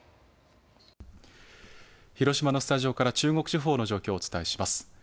広島のスタジオから中国地方の状況をお伝えします。